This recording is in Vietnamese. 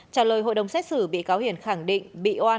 trả lời hội đồng xét xử bị cáo hiền khẳng định bị oan